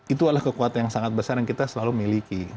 itu adalah kekuatan yang sangat besar yang kita selalu miliki